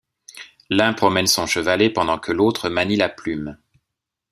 L'un promène son chevalet pendant que l'autre manie la plume.